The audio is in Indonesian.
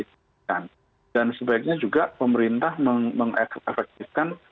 dan sebaiknya juga pemerintah mengefektifkan